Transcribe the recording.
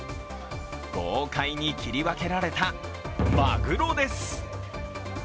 豪快に切り分けられたまぐろです。